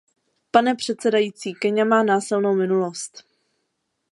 Pane předsedající, Keňa má násilnou minulost.